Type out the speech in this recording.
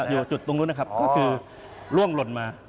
อยู่จุดตรงนู้นนะครับก็คือล่วงหล่นมา